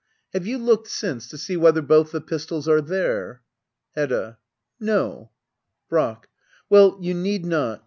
Have you looked since^ to see whether both the pistols are there ? Hedda. No. Brack. Well, you need not.